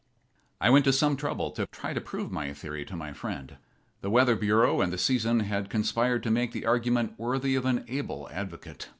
I went to some trouble to try to prove my theory to my friend. The Weather Bureau and the season had conspired to make the argument worthy of an able advocate.